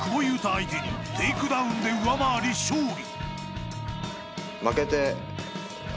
相手にテイクダウンで上回り、勝利。